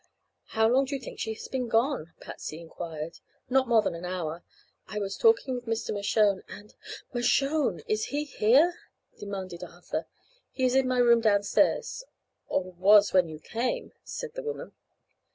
"How long do you think she has been gone?" Patsy enquired. "Not more than an hour. I was talking with Mr. Mershone, and " "Mershone! Is he here?" demanded Arthur. "He is in my room downstairs or was when you came," said the woman.